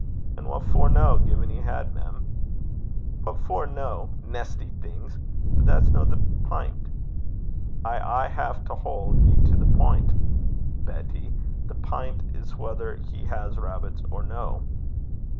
'And what for no, gin he had, mem?' 'What for no? Nesty stinkin' things! But that's no the pint. I aye hae to haud ye to the pint, Betty. The pint is, whether he has rabbits or no?'